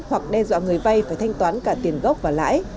hoặc đe dọa người vay phải thanh toán cả tiền gốc và lãi